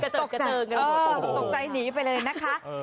ออกต่างเกิดแล้วเหรอครับตกใจหนีไปเลยนะครับ